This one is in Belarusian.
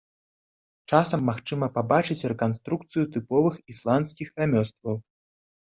Часам магчыма пабачыць рэканструкцыю тыповых ісландскіх рамёстваў.